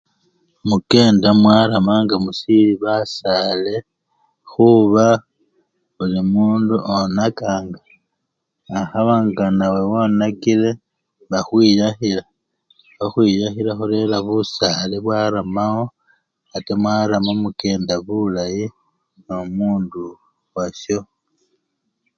Mukenda mwarama nga musili basaale khuba bulimundu onakanganga akhaba nga nawe wonakile bakhwiyakhila khukhwiyakhila khurera busale bwaramawo ate mwarama mukenda bulayi nomundu washo